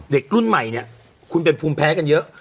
เด็กรุ่นใหม่เนี่ยคุณเป็นภูมิแพ้กันเยอะ